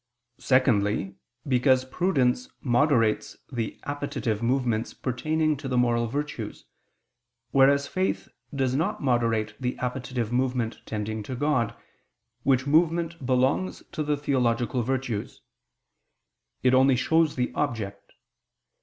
Secondly, because prudence moderates the appetitive movements pertaining to the moral virtues, whereas faith does not moderate the appetitive movement tending to God, which movement belongs to the theological virtues: it only shows the object.